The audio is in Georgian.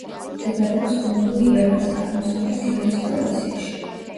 მდებარეობს კუნძულ იავაზე, აღმოსავლეთ იავის პროვინციაში.